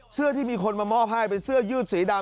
ที่มีคนมามอบให้เป็นเสื้อยืดสีดำ